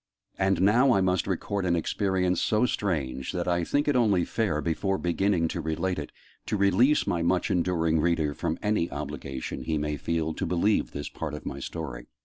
And now I must record an experience so strange, that I think it only fair, before beginning to relate it, to release my much enduring reader from any obligation he may feel to believe this part of my story.